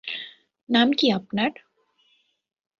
নাম কি আপনার?